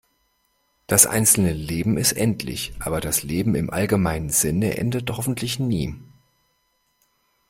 Das einzelne Leben ist endlich, aber das Leben im allgemeinen Sinne endet hoffentlich nie.